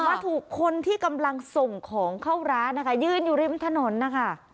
มาถูกคนที่กำลังส่งของเข้าร้านนะคะยืนอยู่ริมถนนนะคะ